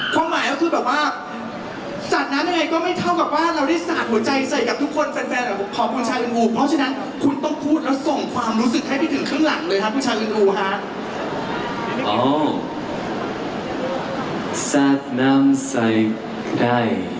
ก็ไม่เท่าสาดใจใส่เธอ